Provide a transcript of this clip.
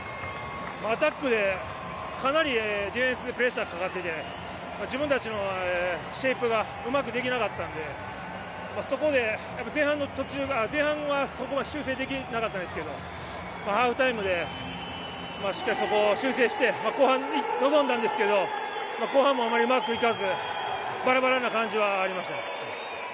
アタックでかなりディフェンスにプレッシャーがかかっていて自分たちのシェイプがうまくできなかったので前半はそこが修正できなかったですがハーフタイムでしっかりそこを修正して後半に臨んだんですけど後半もあまりうまくいかずバラバラな感じはありましたね。